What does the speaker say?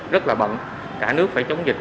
rất là bận cả nước phải chống dịch